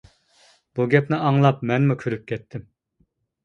بۇ گەپنى ئاڭلاپ مەنمۇ كۈلۈپ كەتتىم.